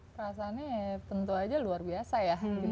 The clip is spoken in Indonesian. perasaannya ya tentu aja luar biasa ya